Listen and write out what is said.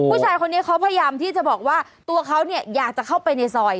ผู้ชายคนนี้เขาพยายามที่จะบอกว่าตัวเขาเนี่ยอยากจะเข้าไปในซอย